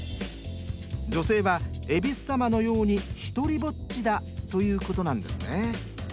女性は恵比寿様のように独りぼっちだということなんですね。